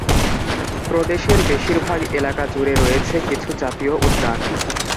প্রদেশের বেশির ভাগ এলাকা জুড়ে রয়েছে কিছু জাতীয় উদ্যান।